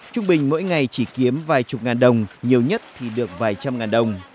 trung bình mỗi ngày chỉ kiếm vài chục ngàn đồng nhiều nhất thì được vài trăm ngàn đồng